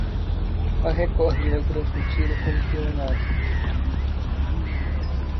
A Record vai transmitir o campeonato.